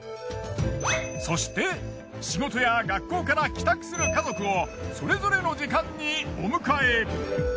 そして仕事や学校から帰宅する家族をそれぞれの時間にお迎え。